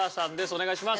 お願いします。